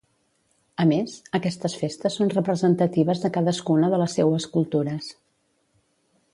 A més, aquestes festes són representatives de cadascuna de les seues cultures.